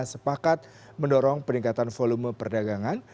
sepakat mendorong peningkatan volume perdagangan